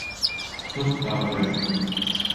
Тот тағы берҙе!